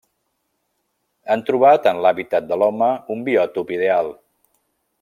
Han trobat en l'hàbitat de l'home un biòtop ideal.